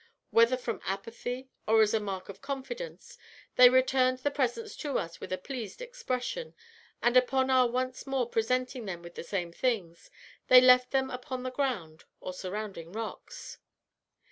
Whether from apathy, or as a mark of confidence, they returned the presents to us with a pleased expression; and upon our once more presenting them with the same things, they left them upon the ground or surrounding rocks.